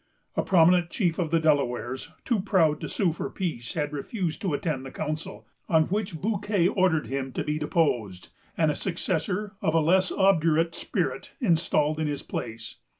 A prominent chief of the Delawares, too proud to sue for peace, had refused to attend the council; on which Bouquet ordered him to be deposed, and a successor, of a less obdurate spirit, installed in his place.